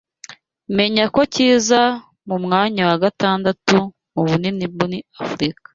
menya ko kiza ku mwanya wa gatandatu mu bunini muri Afurika